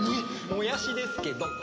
もやしですけど。